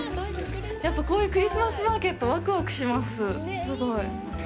やっぱこういうクリスマスマーケットわくわくします、すごい。